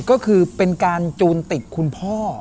ก็คือเป็นการจูนติดคุณพ่อ